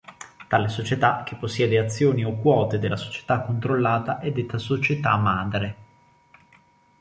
Tale società, che possiede azioni o quote della società controllata, è detta "società madre".